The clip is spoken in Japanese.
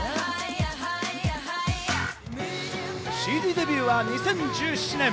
ＣＤデビューは２０１７年。